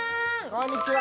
こんにちは！